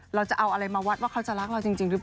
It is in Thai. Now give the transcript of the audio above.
เราจะเอาอะไรมาวัดว่าเขาจะรักเราจริงหรือเปล่า